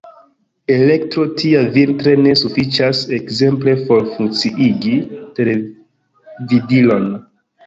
Elektro tia vintre ne sufiĉas ekzemple por funkciigi televidilon.